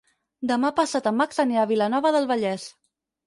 Demà passat en Max anirà a Vilanova del Vallès.